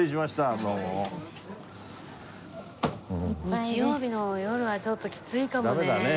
日曜日の夜はちょっときついかもね。